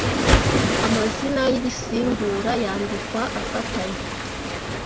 amazina bisimbura yandikwa afatanye